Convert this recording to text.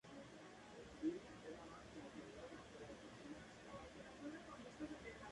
Estos últimos fueron, sin duda, muy numerosos.